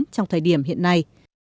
thời điểm hiện nay